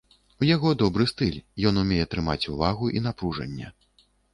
У яго добры стыль, ён умее трымаць увагу і напружанне.